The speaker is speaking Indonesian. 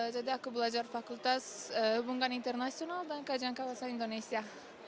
jadi aku belajar fakultas hubungan internasional dan kajian kawasan indonesia